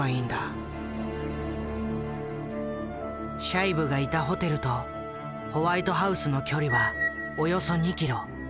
シャイブがいたホテルとホワイトハウスの距離はおよそ２キロ。